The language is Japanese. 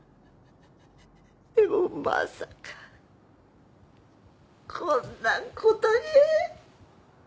でもまさかこんな事に。